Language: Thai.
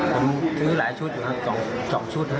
ผมซื้อหลายชุดอยู่ครับ๒ชุดครับ